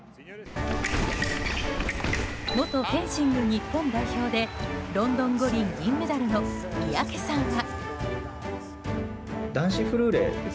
元フェンシング日本代表でロンドン五輪銀メダルの三宅さんは。